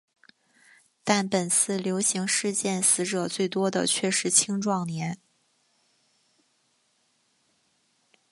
但本次流行事件死者最多的却是青壮年。